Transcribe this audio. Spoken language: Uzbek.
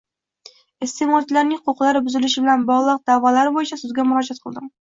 Iste’molchilarning huquqlari buzilishi bilan bog‘liq da’volar bo‘yicha sudga murojaat qildim